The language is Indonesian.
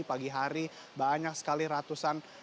pagi hari banyak sekali ratusan